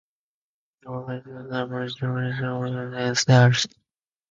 He published the first plots of color versus luminosity for these stars.